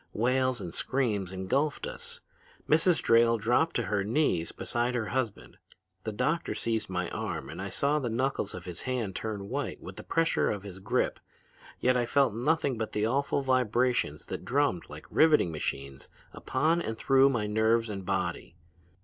Wails and screams engulfed us. Mrs. Drayle dropped to her knees beside her husband. The doctor seized my arm and I saw the knuckles of his hand turn white with the pressure of his grip, yet I felt nothing but the awful vibrations that drummed like riveting machines upon and through my nerves and body.